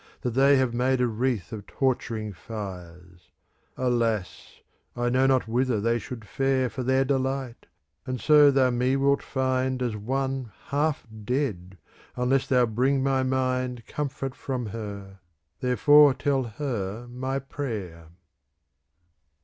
That they have made a wreath of torturing fires. « Alas ! I know not whither they should fare For their delight, and so thou me wilt find As one half dead, unless thou bring my mind Comfort from her ; therefore tell her my prayer.